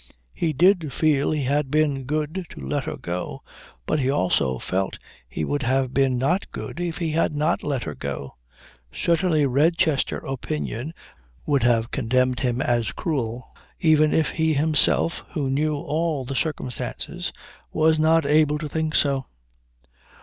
He did feel he had been good to let her go, but he also felt he would have been not good if he had not let her go. Certainly Redchester opinion would have condemned him as cruel even if he himself, who knew all the circumstances, was not able to think so.